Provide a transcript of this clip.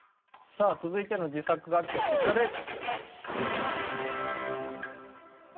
さあ続いての自作楽器はこちらです。